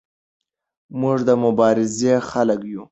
موږ د مبارزې خلک یو.